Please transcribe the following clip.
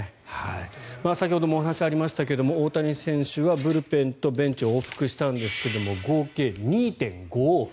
先ほどもお話ありましたけども大谷選手はブルペンとベンチを往復したんですが合計２．５往復。